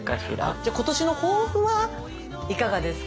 じゃ今年の抱負はいかがですか？